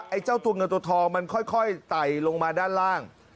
ไอ้เจ้าตัวเงินตัวทองมันค่อยไต่ลงมาด้านล่าง